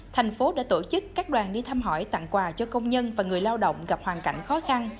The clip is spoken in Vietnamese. thành phố đã tổ chức các đoàn đi thăm hỏi tặng quà cho công nhân và người lao động gặp hoàn cảnh khó khăn